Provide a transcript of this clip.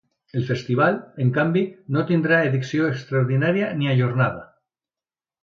El festival, en canvi, no tindrà edició extraordinària ni ajornada.